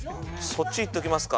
そっちいっときますか。